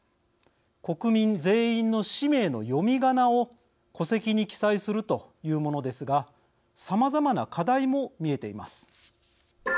国民全員の氏名の読みがなを戸籍に記載するというものですがさまざまな課題も見えています。